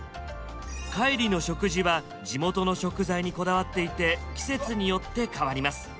海里の食事は地元の食材にこだわっていて季節によって変わります。